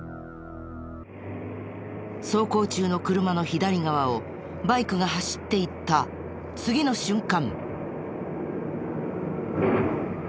走行中の車の左側をバイクが走っていった次の瞬間。